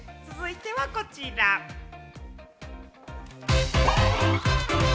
続いてはこちら！